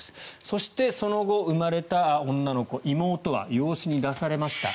そして、その後生まれた女の子妹は養子に出されました。